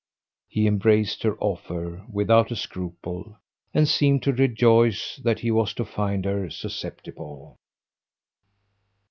He embraced her offer without a scruple and seemed to rejoice that he was to find her susceptible.